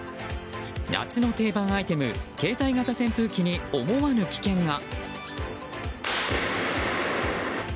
夏の定番アイテム携帯型扇風機に思わぬ危険が。